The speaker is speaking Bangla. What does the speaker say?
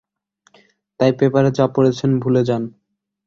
তাই পেপারে যা পড়েছেন, ভুলে যান।